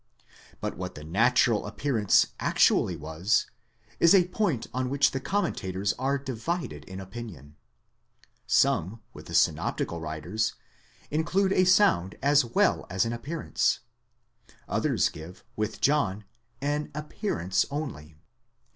But what the natural appearance actually was, is a point on which the commentators are divided in opinion. Some, with the synoptical writers, include a sound as well as an appearance ; others give, with John, an appearance only.